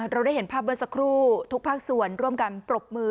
เราได้เห็นภาพเมื่อสักครู่ทุกภาคส่วนร่วมกันปรบมือ